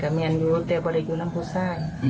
ขอจบเถอะนะคะ